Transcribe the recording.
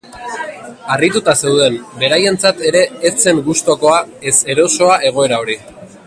Harrituta zeuden, beraientzat ere ez zen gustukoa ez erosoa egoera hori.